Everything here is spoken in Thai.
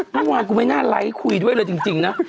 เมื่อวานกูไม่น่าไลค์คุยด้วยเลยจริงนะ